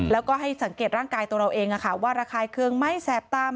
แล้วก็ให้สังเกตร่างกายตัวเราเองว่าระคายเครื่องไหมแสบตาม